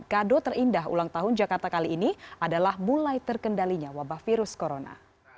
kado terindah ulang tahun jakarta kali ini adalah mulai terkendalinya wabah virus corona